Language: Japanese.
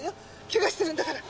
怪我してるんだから。